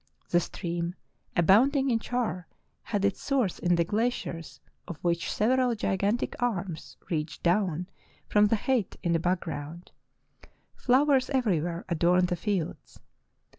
The stream, abound ing in char, had its source in the glaciers of which sev eral gigantic arms reached down from the height in the background. Flowers everywhere adorned the fields.